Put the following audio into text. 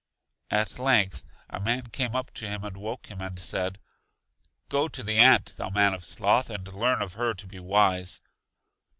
At length a man came up to him and woke him, and said: Go to the ant, thou man of sloth, and learn of her to be wise.